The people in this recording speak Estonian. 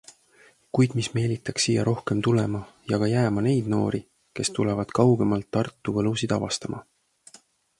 Kuid mis meelitaks siia rohkem tulema ja ka jääma neid noori, kes tulevad kaugemalt Tartu võlusid avastama?